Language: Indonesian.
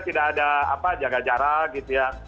tidak ada jaga jarak gitu ya